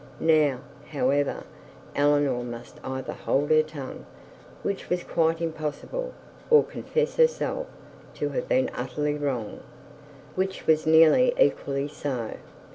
Now, however, Eleanor must either hold her tongue, which was quite impossible, or confess herself to have been utterly wrong, which was nearly equally so.